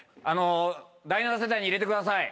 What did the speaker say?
第７世代に入れてください。